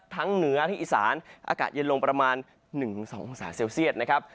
เหนือที่อีสานอากาศเย็นลงประมาณ๑๒องศาเซลเซียตนะครับ